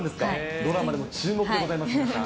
ドラマでも注目でございます。